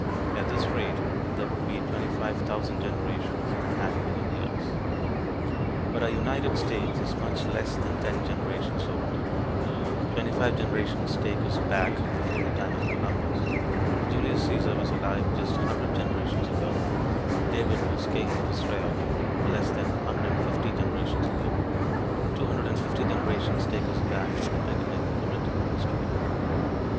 At this rate there would be 25,000 generations in a half million years. But our United States is much less than ten generations old, twenty five generations take us back before the time of Columbus, Julius Caesar was alive just 100 generations ago, David was king of Israel less than 150 generations ago, 250 generations take us back to the beginning of written history.